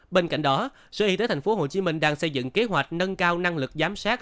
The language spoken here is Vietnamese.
bên cạnh đó sở y tế tp hcm đang xây dựng kế hoạch nâng cao năng lực giám sát